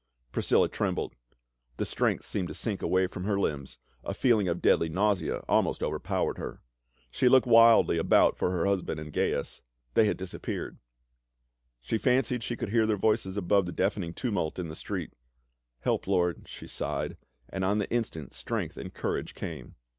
Priscilla trembled ; the strength seemed to sink away from her limbs, a feeling of deadly nausea almost overpowered her. She looked wildly about for her husband and Gaius, they had disappeared ; she fancied she could hear their voices above the deafening tumult in the street. " Help, Lord !" she sighed ; and on the instant .strength and courage came.